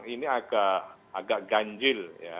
ini agak ganjil